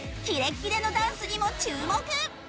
キレッキレのダンスにも注目！